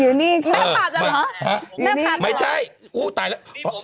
อยู่นี่ค่ะแม่ภาษาหรอห้ะแม่ภาษาหรอไม่ใช่อู้ตายแล้ว